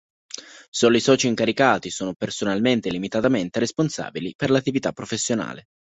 Solo i soci incaricati sono personalmente e illimitatamente responsabili per l'attività professionale.